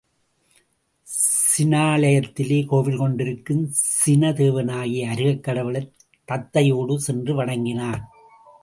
சினாலயத்தில் கோவில் கொண்டிருக்கும் சினதேவனாகிய அருகக் கடவுளைத் தத்தையோடு சென்று வணங்கினான்.